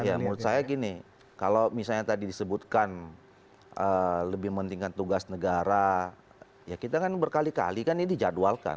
ya menurut saya gini kalau misalnya tadi disebutkan lebih pentingkan tugas negara ya kita kan berkali kali kan ini dijadwalkan